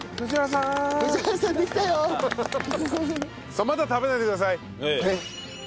さあまだ食べないでください。